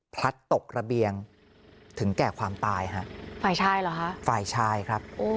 พลัดตกระเบียงถึงแก่ความตายฮะฝ่ายชายเหรอฮะฝ่ายชายครับ